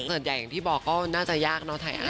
คอนเสิร์ตใหญ่อย่างที่บอกก็น่าจะยากเนอะไทย